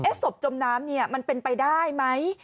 ศพจมน้ำมันเป็นไปได้ไหม